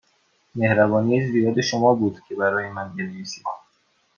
مهربانی زیاد شما بود که برای من بنویسید.